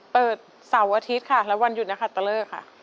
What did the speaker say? เปิดเสาร์อาทิตย์ค่ะและวันหยุดนักคัตเตอร์เลอร์ค่ะ